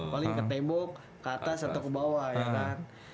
paling ke tebok ke atas atau ke bawah ya kan